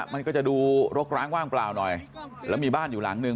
มันก็จะดูรกร้างว่างเปล่าหน่อยแล้วมีบ้านอยู่หลังนึง